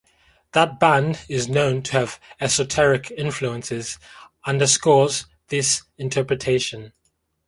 That the band is known to have esoteric influences underscores this interpretation.